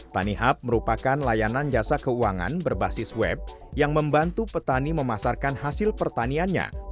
tanihub merupakan layanan jasa keuangan berbasis web yang membantu petani memasarkan hasil pertaniannya